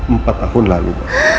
empat tahun lalu